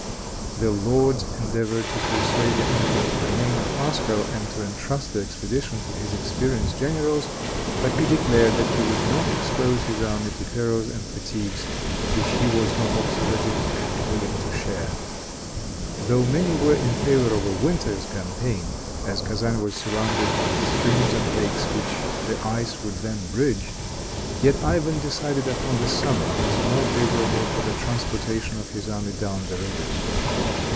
The lords endeavored to persuade the emperor to remain at Moscow, and to entrust the expedition to his experienced generals, but he declared that he would not expose his army to perils and fatigues which he was not also ready and willing to share. Though many were in favor of a winter's campaign, as Kezan was surrounded with streams and lakes which the ice would then bridge, yet Ivan decided upon the summer as more favorable for the transportation of his army down the rivers.